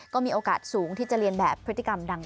ก็มีโอกาสสูงที่จะเรียนแบบพฤติกรรมดัง